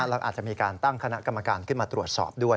แล้วอาจจะมีการตั้งคณะกรรมการขึ้นมาตรวจสอบด้วย